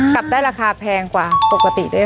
กลับได้ราคาแพงกว่าปกติด้วย